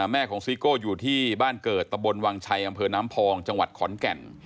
แม่ของซิโก้อยู่ที่บ้านเกิดตะบนวังชัยอำเภอน้ำพองจังหวัดขอนแก่น